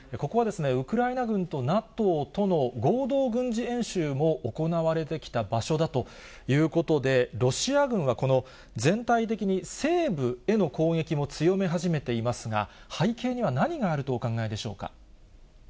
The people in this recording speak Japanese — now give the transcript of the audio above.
ここはウクライナ軍とＮＡＴＯとの合同軍事演習も行われてきた場所だということで、ロシア軍はこの全体的に西部への攻撃も強め始めていますが、背景には何があるとお考えでしょうか。